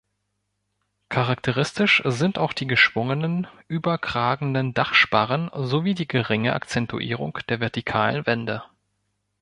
Charakteristisch sind auch die geschwungenen, überkragenden Dachsparren sowie die geringe Akzentuierung der vertikalen Wände.